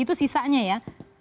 itu sisanya ya